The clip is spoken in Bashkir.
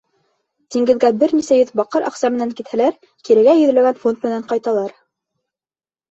Диңгеҙгә бер нисә йөҙ баҡыр аҡса менән китһәләр, кирегә йөҙләгән фунт менән ҡайталар.